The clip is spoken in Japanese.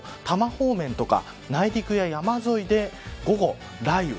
方面とか内陸や山沿いで午後、雷雨。